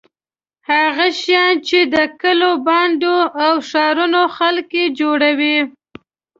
هغه شیان چې د کلیو بانډو او ښارونو خلک یې جوړوي.